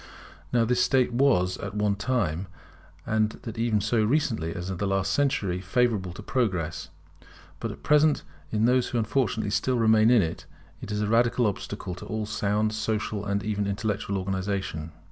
Now this state was at one time, and that even so recently as the last century, favourable to progress; but at present in those who unfortunately still remain in it, it is a radical obstacle to all sound social and even intellectual organization.